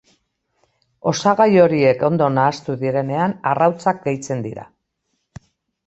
Osagai horiek ondo nahastu direnean arrautzak gehitzen dira.